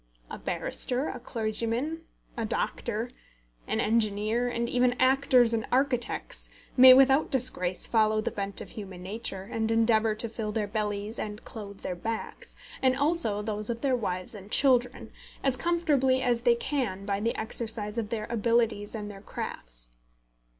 A barrister, a clergyman, a doctor, an engineer, and even actors and architects, may without disgrace follow the bent of human nature, and endeavour to fill their bellies and clothe their backs, and also those of their wives and children, as comfortably as they can by the exercise of their abilities and their crafts.